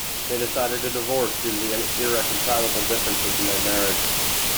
They decided to divorce due to irreconcilable differences in their marriage.